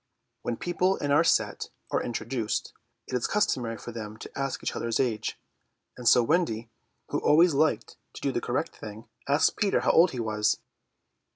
When people in our set are introduced, it is customary for them to ask each other's age, and so Wendy, who always liked to do the correct thing, asked Peter how old he was.